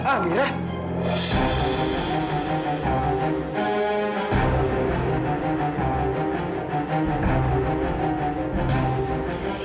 ah biar ah